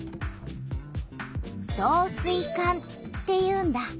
「導水管」っていうんだ。